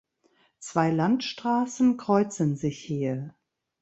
Zwei Landstraßen kreuzen sich hier.